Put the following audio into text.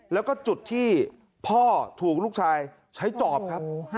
แล้วก็จุดที่พ่อถูกลูกชายใช้จอบครับ